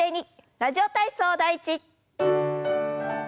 「ラジオ体操第１」。